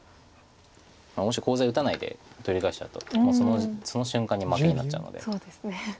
もしコウ材打たないで取り返しちゃうとその瞬間に負けになっちゃうので。